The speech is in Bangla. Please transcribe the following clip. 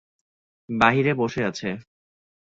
বাহিরে বসে আছে।